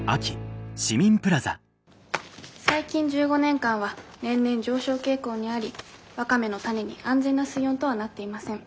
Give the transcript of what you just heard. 最近１５年間は年々上昇傾向にありワカメの種に安全な水温とはなっていません。